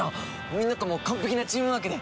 みんなとも完璧なチームワークで！